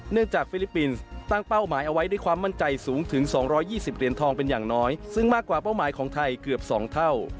จากฟิลิปปินส์ตั้งเป้าหมายเอาไว้ด้วยความมั่นใจสูงถึง๒๒๐เหรียญทองเป็นอย่างน้อยซึ่งมากกว่าเป้าหมายของไทยเกือบ๒เท่า